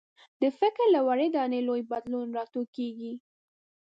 د فکر له وړې دانې لوی بدلون راټوکېږي.